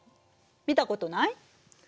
見たことない？